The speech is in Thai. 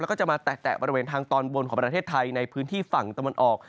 แล้วก็จะมาแตะบริเวณทางตอนบนของประเทศไทยในพื้นที่ฝั่งตะวันออก